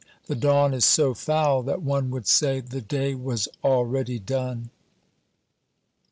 The dawn is so foul that one would say the day was already done.